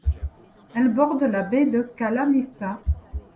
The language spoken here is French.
Elle borde la baie de Kalamista.